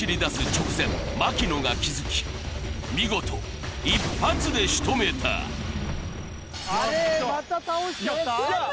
直前槙野が気づき見事一発でしとめたあれーまた倒しちゃった？